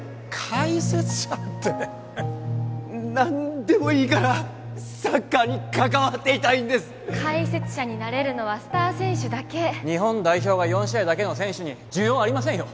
解説者って何でもいいからサッカーに関わっていたいんです解説者になれるのはスター選手だけ日本代表が４試合だけの選手に需要はありませんよ